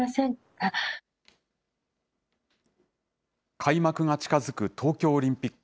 開幕が近づく東京オリンピック。